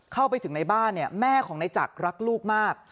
เข้าไปถึงในบ้านแม่ของนายจักรรักลูกมาก